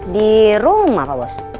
di rumah pak bos